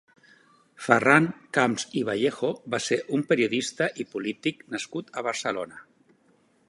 Ferran Camps i Vallejo va ser un periodista i polític nascut a Barcelona.